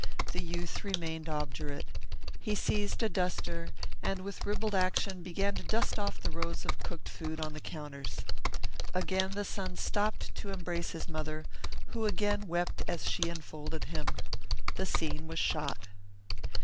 The youth remained obdurate. He seized a duster and, with ribald action, began to dust off the rows of cooked food on the counters. Again the son stopped to embrace his mother, who again wept as she enfolded him. The scene was shot.